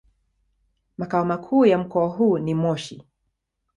Makao makuu ya mkoa huu ni Moshi.